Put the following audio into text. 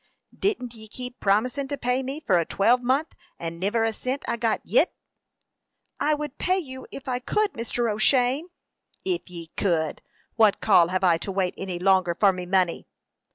"Didn't ye keep promisin' to pay me for a twelvemonth, and niver a cint I got yet?" "I would pay you if I could, Mr. O'Shane." "If ye could! What call have I to wait any longer for me money?"